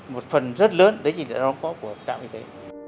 một phần rất lớn đấy chỉ là nó có của trạm y tế